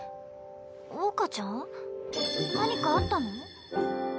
桜花ちゃん？何かあったの？